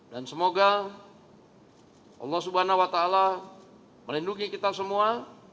dan semoga allah swt melindungi kita semua